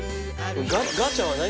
ガチャは何？